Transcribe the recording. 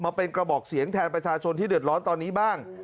มาเป็นกระบอกเสียงแทนประชาชนที่เดือดร้อนตอนนี้บ้าง